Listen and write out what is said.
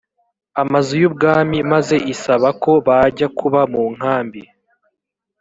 amazu y ubwami maze isaba ko bajya kuba mu nkambi